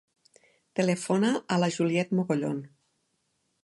Telefona a la Juliet Mogollon.